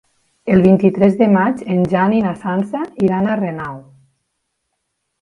El vint-i-tres de maig en Jan i na Sança iran a Renau.